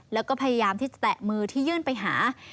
แล้วก็พยายามที่จะแตะมือที่ยื่นไปหา